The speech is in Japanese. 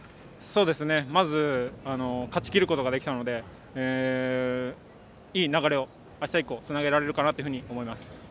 まず勝ちきることができたのでいい流れをあした以降につなげられるかなと思います。